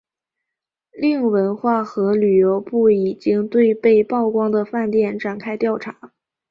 另文化和旅游部已经对被曝光的饭店展开调查。